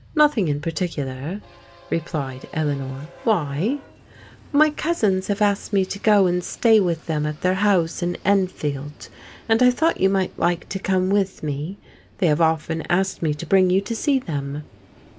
Nothing in particular," replied Eleanor. "Why?" My cousins have asked me to go and stay with them at their house at Enfield, and I thought you might like to come with me. They have often asked me to bring you to see them."